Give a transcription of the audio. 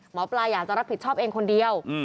หมอปลาอยากจะรับผิดชอบเองคนเดียว